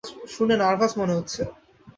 শুনে নার্ভাস মনে হচ্ছে।